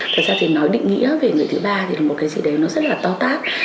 thật ra thì nói định nghĩa về người thứ ba thì là một cái gì đấy nó rất là to tác